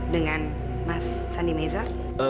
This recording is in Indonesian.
dengan mas sandi mezar